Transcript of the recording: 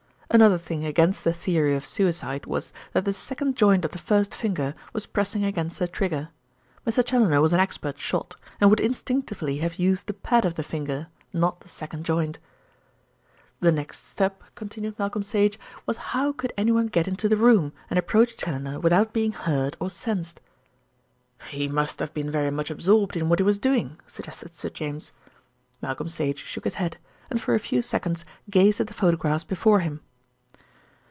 Another thing against the theory of suicide was that the second joint of the first finger was pressing against the trigger. Mr. Challoner was an expert shot, and would instinctively have used the pad of the finger, not the second joint. "The next step," continued Malcolm Sage, "was how could anyone get into the room and approach Challoner without being heard or 'sensed.'" "He must have been very much absorbed in what he was doing," suggested Sir James. Malcolm Sage shook his head, and for a few seconds gazed at the photographs before him.